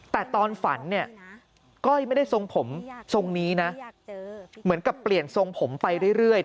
แต่ตอนฝันเนี่ยก้อยไม่ได้ทรงผมทรงนี้นะเหมือนกับเปลี่ยนทรงผมไปเรื่อย